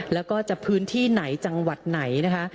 แล้วก็จะพื้นที่ไหนจังหวัดไหนนะคะ